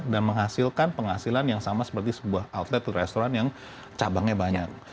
dan menghasilkan penghasilan yang sama seperti sebuah outlet atau restoran yang cabangnya banyak